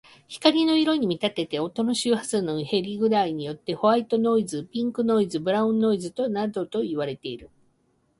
光の色に見立てて、音の周波数の偏り具合によってホワイトノイズ、ピンクノイズ、ブラウンノイズなどといわれる。